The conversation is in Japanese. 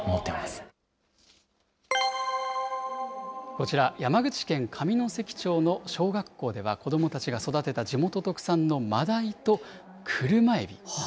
こちら、山口県上関町の小学校では、子どもたちが育てた地元特産のマダイと、クルマエビ。